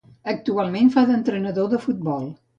Actualment fa d'entrenador de futbol.